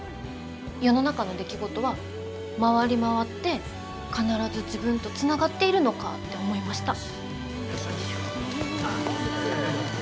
世の中の出来事は回り回って必ず自分とつながっているのかって思いました。